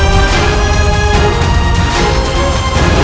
maka selamatkan saya